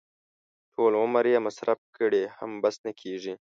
ټول عمر یې مصرف کړي هم بس نه کېږي.